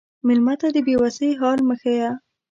مېلمه ته د بې وسی حال مه ښیه.